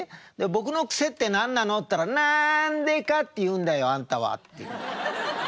「僕の癖って何なの？」って言ったら「『なんでか？』」って言うんだよあんたは」って言うの。